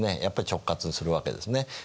やっぱり直轄するわけですね。